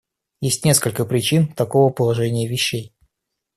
Есть несколько причин такого положения вещей.